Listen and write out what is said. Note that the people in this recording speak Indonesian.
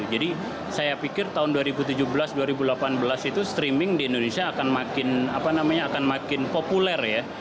jadi saya pikir tahun dua ribu tujuh belas dua ribu delapan belas itu streaming di indonesia akan makin populer ya